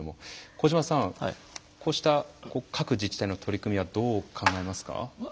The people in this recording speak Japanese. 小島さん、こうした各自治体の取り組みはどう考えますか？